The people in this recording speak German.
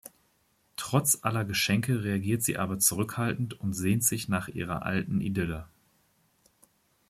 Trotz aller Geschenke reagiert sie aber zurückhaltend und sehnt sich nach ihrer alten Idylle.